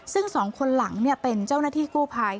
ซึ่งสองคนหลังเป็นเจ้าหน้าที่กู้ภัย